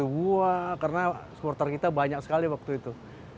wah karena supporter kita banyak sekali waktu itu